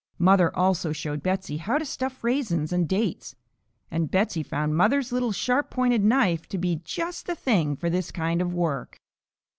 Mother also showed Betsey how to stuff raisins and dates, and Betsey found mother's little sharp pointed kitchen knife to be just the thing for this kind of work.